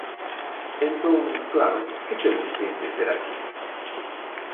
Entón, claro, ¿que temos que entender aquí?